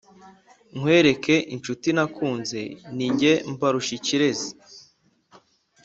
Nkwereke inshuti nakunze ni njye mbarusha ikirezi